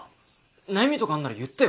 悩みとかあるなら言ってよ。